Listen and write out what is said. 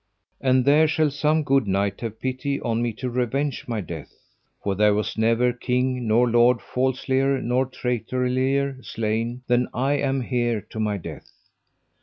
And there shall some good knight have pity on me to revenge my death, for there was never king nor lord falslier nor traitorlier slain than I am here to my death.